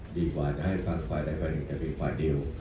ดีกว่าจะให้ฝั่งฝ่ายใดฝ่ายหนึ่งกับฝ่ายเดียว